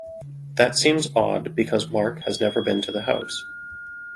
That seems odd because Mark has never been to the house.